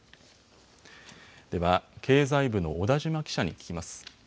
では経済部の小田島記者に聞きます。